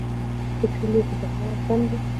په کلیو کې ډاکټران کم دي.